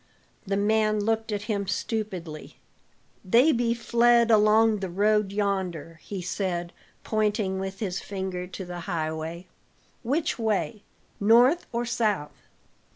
The man looked at him stupidly. "They be fled along the road yonder," he said, pointing with his finger to the highway. "Which way, north or south?"